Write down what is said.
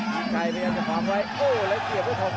จิ๊ดชัยไปกันกับขวาไพรส์โอ้โหแล้วเสียบเข้าขวาเลยครับ